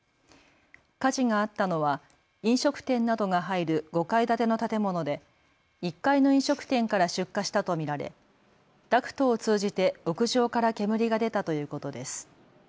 火事があったのは飲食店などが入る５階建ての建物で１階の飲食店から出火したと見られダクトを通じて屋上から煙が出たということです。